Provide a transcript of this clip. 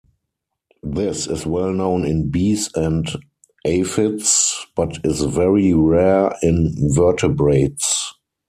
This is well known in bees and aphids, but is very rare in vertebrates.